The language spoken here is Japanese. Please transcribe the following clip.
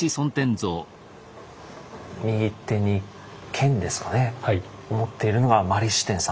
右手に剣ですかね持っているのが摩利支天様。